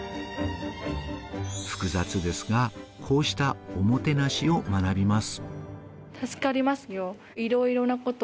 複雑ですが、こうしたおもてなしを学びます。